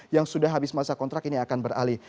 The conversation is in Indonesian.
yang sudah habis masa kontrak ini akan beralih